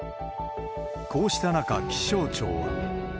こうした中、気象庁は。